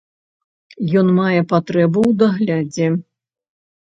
Ён мае патрэбу ў даглядзе.